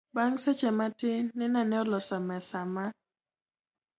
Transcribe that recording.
Bang' seche matin, Nina ne oloso mesa ma